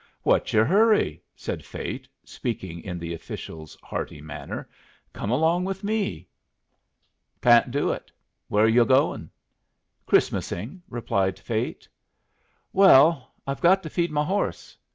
"What's your hurry?" said Fate, speaking in the official's hearty manner. "Come along with me." "Can't do it. Where are yu' goin'?" "Christmasing," replied Fate. "Well, I've got to feed my horse.